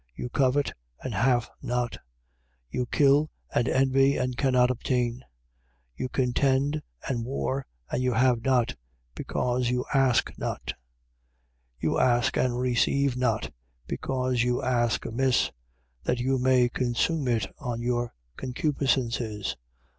4:2. You covet, and have not: you kill and envy and cannot obtain. You contend and war, and you have not: because you ask not. 4:3. You ask and receive not: because you ask amiss, that you may consume it on your concupiscences.